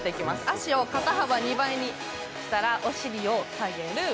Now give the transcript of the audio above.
足を肩幅２倍にしたら、お尻を下げる。